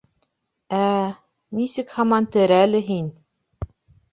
Ә-ә... нисек һаман тере әле һин?